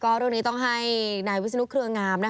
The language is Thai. เรื่องนี้ต้องให้นายวิศนุเครืองาม